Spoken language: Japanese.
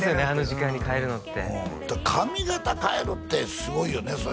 あの時間にかえるのって髪型かえるってすごいよね